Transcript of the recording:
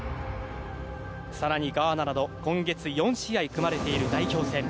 更に、ガーナなど今月、４試合組まれている代表戦。